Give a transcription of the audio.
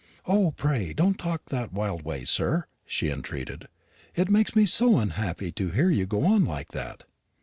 "O, pray don't talk in that wild way, sir," she entreated. "It makes me so unhappy to hear you go on like that."